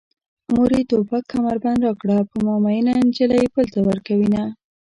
مورې توپک کمربند راکړه په ما مينه نجلۍ بل ته ورکوينه